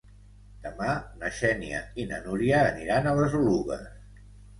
Demà na Xènia i na Núria aniran a les Oluges.